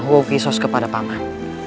huo kuisos kepada paman